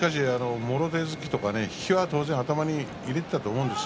もろ手突き、引きは頭に入れていたと思います。